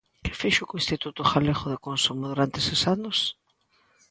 ¿Que fixo o Instituto Galego de Consumo durante eses anos?